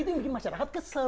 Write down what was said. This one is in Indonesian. itu yang bikin masyarakat kesel